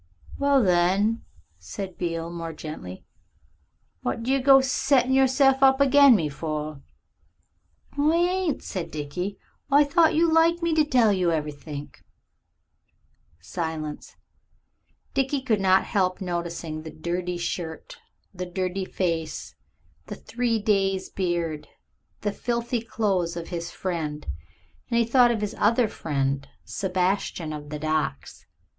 "Well, then," said Beale more gently, "what do you go settin' of yourself up agin me for?" "I ain't," said Dickie. "I thought you liked me to tell you everythink." Silence. Dickie could not help noticing the dirty shirt, the dirty face, the three days' beard, the filthy clothes of his friend, and he thought of his other friend, Sebastian of the Docks.